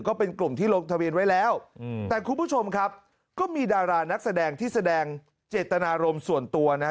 ก็เป็นกลุ่มที่ลงทะเบียนไว้แล้วแต่คุณผู้ชมครับก็มีดารานักแสดงที่แสดงเจตนารมณ์ส่วนตัวนะ